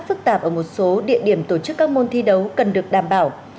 phức tạp ở một số địa điểm tổ chức các môn thi đấu cần được đảm bảo